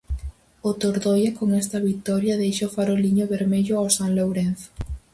O Tordoia con esta vitoria deixa o faroliño vermello ó San Lourenzo.